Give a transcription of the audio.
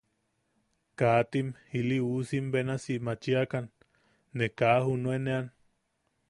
Katim iliusim benasi machiakan, ne kaa juʼunean...